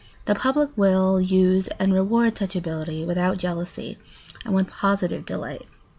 The public will use and reward such ability without jealousy and with positive delight.